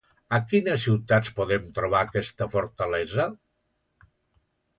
A quines ciutats podem trobar aquesta fortalesa?